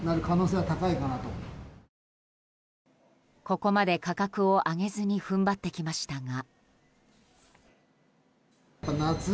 ここまで価格を上げずに踏ん張ってきましたが。